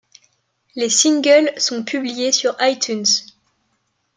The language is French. Les singles sont publiés sur iTunes.